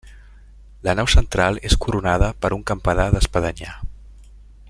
La nau central és coronada per un campanar d'espadanya.